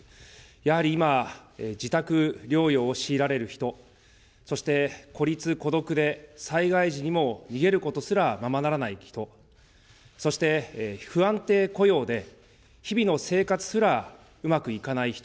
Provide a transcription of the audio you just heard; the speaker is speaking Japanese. やはり今、自宅療養を強いられる人、そして孤立、孤独で災害時にも、逃げることすらままならない人、そして不安定雇用で日々の生活すらうまくいかない人。